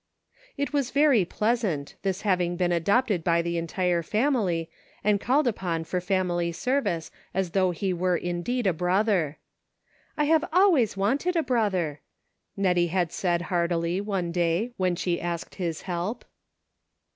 HOME. 301 It was very pleasant, this having been adopted by the entire family, and called upon for family ser vice as though he were indeed a brother. " I have always wanted a brothv r," Nettie had said, heartily, one day, when she asked his help.